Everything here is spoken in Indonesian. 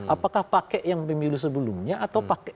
apakah pakai yang pemilu sebelumnya atau pakai